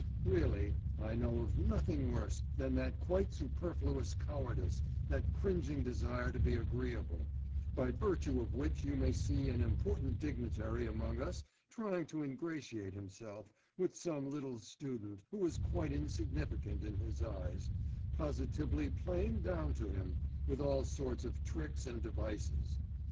Really, I know of nothing worse than that quite superfluous cowardice, that cringing desire to be agreeable, by virtue of which you may see an important dignitary among us trying to ingratiate himself with some little student who is quite insignificant in his eyes, positively playing down to him, with all sorts of tricks and devices.